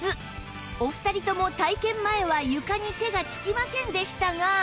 お二人とも体験前は床に手がつきませんでしたが